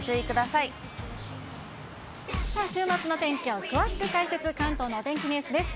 さあ、週末の天気を詳しく解説、関東のお天気ニュースです。